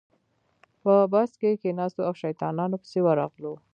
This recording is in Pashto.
په بس کې کېناستو او شیطانانو پسې ورغلو.